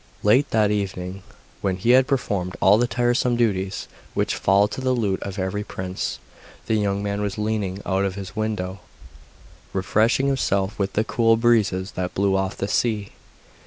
Late that evening, when he had performed all the tiresome duties which fall to the lot of every prince, the young man was leaning out of his window, refreshing himself with the cool breezes that blew off the sea.